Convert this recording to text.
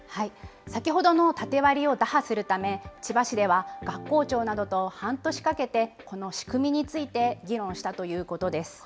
先ほどの縦割りを打破するため、千葉市では学校長などと半年かけてこの仕組みについて、議論したということです。